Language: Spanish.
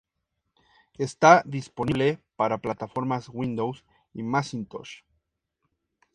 Está disponible para plataformas Windows y Macintosh.